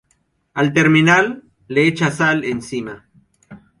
Al terminar, le echa sal encima.